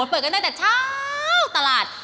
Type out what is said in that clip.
เปิดกันตั้งแต่เช้าตลาด